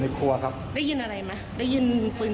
อย่างคนที่เป็นนักดนตรี